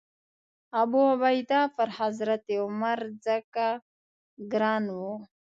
ابوعبیده پر حضرت عمر ځکه ګران و.